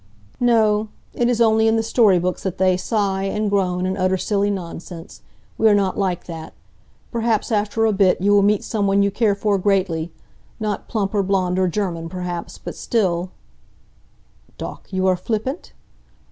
"No. It is only in the story books that they sigh, and groan and utter silly nonsense. We are not like that. Perhaps, after a bit, you will meet some one you care for greatly not plump, or blond, or German, perhaps, but still " "Doch you are flippant?"